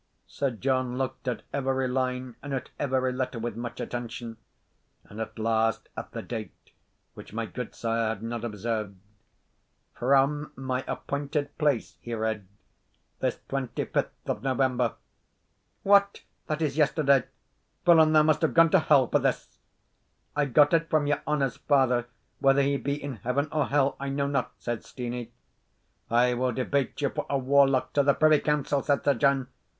Sir John looked at every line, and at every letter, with much attention; and at last at the date, which my gudesire had not observed "From my appointed place," he read, "this twenty fifth of November." "What! That is yesterday! Villain, thou must have gone to hell for this!" "I got it from your honour's father; whether he be in heaven or hell, I know not," said Steenie. "I will debate you for a warlock to the Privy Council!" said Sir John.